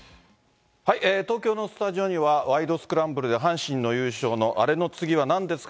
東京のスタジオには、ワイドスクランブルで阪神の優勝のアレの次はなんですか？